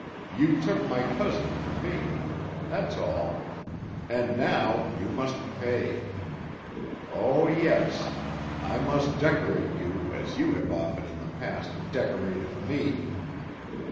You took my cousin for me. That's all. And now you must pay! Oh, yes! I must decorate you as you have often in the past decorated me."